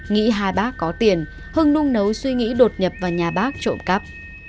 nghĩ hai bác có tiền hưng nung nấu suy nghĩ đột nhập vào nhà bác trộm cắp